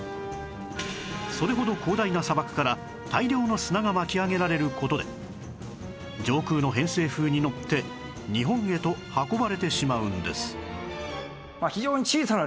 それほど広大な砂漠から大量の砂が巻き上げられる事で上空の偏西風にのって日本へと運ばれてしまうんです